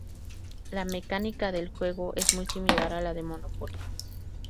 La mecánica del juego es muy similar a la del Monopoly.